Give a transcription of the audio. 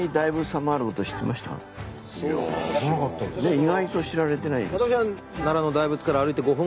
意外と知られてないんです。